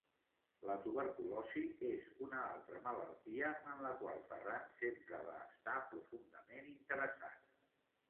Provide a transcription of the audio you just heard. La tuberculosi és una altra malaltia en la qual Ferran sempre va estar profundament interessat.